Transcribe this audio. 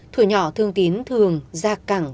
thủ nhỏ thương tín thường ra cẳng